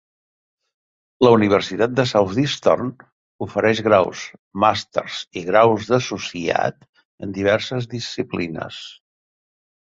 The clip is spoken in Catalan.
La Universitat de Southeastern ofereix graus, màsters i graus d'associat en diverses disciplines.